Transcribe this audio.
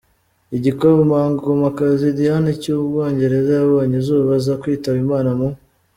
Igikomangomakazi Diana cy’ubwongereza yabonye izuba, aza kwitaba Imana mu .